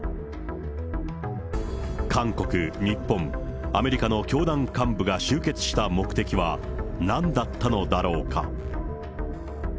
韓国、日本、アメリカの教団幹部が集結した目的はなんだったのだろうか。